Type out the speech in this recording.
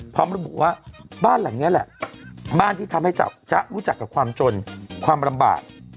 พร้อมระบุว่าบ้านหลังนี้แหละบ้านที่ทำให้จ๊ะรู้จักกับความจนความลำบาก